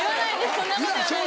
そんなこと言わない。